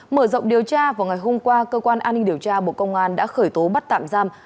mở rộng điều tra vào ngày hôm qua cơ quan an ninh điều tra bộ công an đã khởi tố bắt tạm giam